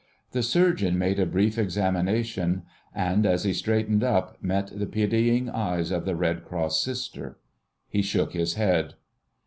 The Surgeon made a brief examination, and as he straightened up, met the pitying eyes of the Red Cross sister. He shook his head.